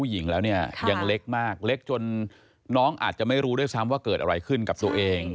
ยังเล็กมากเล็กจนน้องอาจจะไม่รู้ด้วยซ้ำว่าเกิดอะไรขึ้นกับตัวเอง